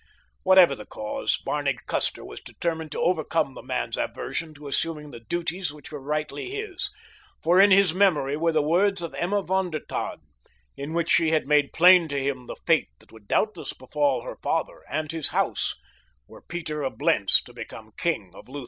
Whatever the cause, Barney Custer was determined to overcome the man's aversion to assuming the duties which were rightly his, for in his memory were the words of Emma von der Tann, in which she had made plain to him the fate that would doubtless befall her father and his house were Peter of Blentz to become king of Lutha.